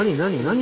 何？